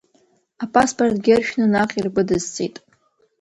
Апаспортгьы ыршәны наҟ иргәыдысҵеит…